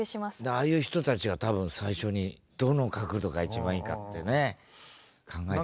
ああいう人たちが多分最初にどの角度が一番いいかってね考えたんでしょうね。